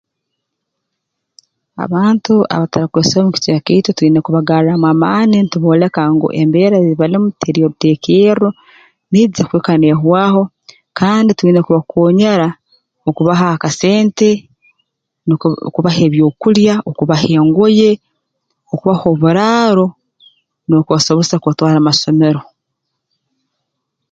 Abantu abatarukwesobora mu kicweka kyaitu twine kubagarraamu amaani ntubooleka ngu embeera ei barumu teri y'oruteekerro niija kuhika neehwaho kandi twine kubakoonyera okubahaho akasente nukwo okubaha ebyokulya okubaha engoye okubaha oburaaro n'okubasobozesa kubatwara mu masomero